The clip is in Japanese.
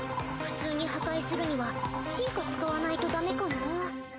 普通に破壊するには進化使わないとダメかなぁ。